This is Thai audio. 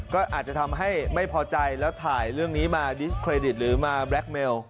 ก็อาจจะทำให้ไม่พอใจแล้วถ่ายเรื่องนี้มาดิสเครดิตหรือมาแล็คเมล